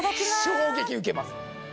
衝撃受けます。